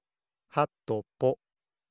はとぽ。